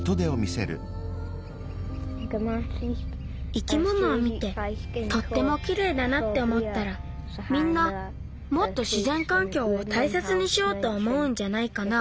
生き物を見てとってもきれいだなっておもったらみんなもっとしぜんかんきょうをたいせつにしようとおもうんじゃないかな。